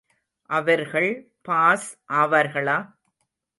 அவர்கள் பாஸ் ஆவார்களா?